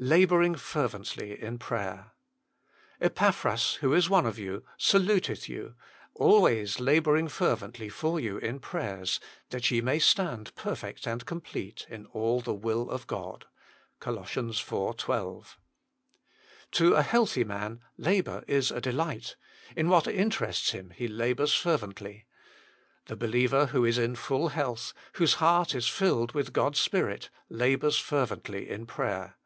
fEabmtrmjj ferbentlj in fJrajtcr "Epaphras, who is one of you, saluteth you, always labouring fervently for you in prayers, that ye may stand perfect and complete in all the will of God." COL. iv. 12. To a healthy man labour is a delight ; in what interests him he labours fervently. The believer who is in full health, whose heart is filled with God s Spirit, labours fervently in prayer.